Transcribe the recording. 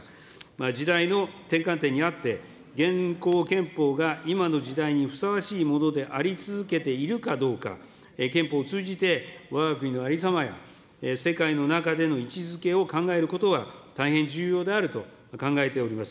時代の転換点にあって、現行憲法が今の時代にふさわしいものであり続けているかどうか、憲法を通じてわが国のありさまや、世界の中での位置づけを考えることは大変重要であると考えております。